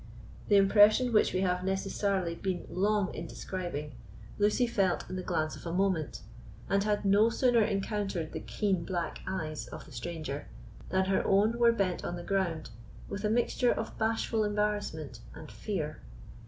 The impression which we have necessarily been long in describing, Lucy felt in the glance of a moment, and had no sooner encountered the keen black eyes of the stranger than her own were bent on the ground with a mixture of bashful embarrassment and fear.